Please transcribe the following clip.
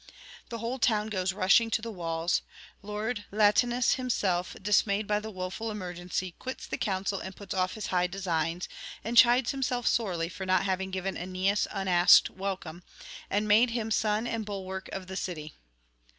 The whole town goes rushing to the walls; lord Latinus himself, dismayed by the woeful emergency, quits the council and puts off his high designs, and chides himself sorely for not having given Aeneas unasked welcome, and made him son and bulwark of the city.